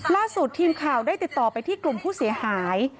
ล่าสุดทีมข่าวได้ติดต่อไปที่กลุ่มผู้เสียหาย